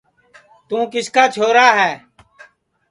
توں کِس کا چھورا ہے